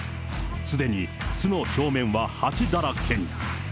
すでに巣の表面はハチだらけに。